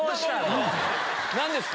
何ですか？